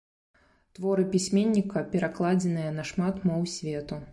Творы пісьменніка перакладзеныя на шмат моў свету.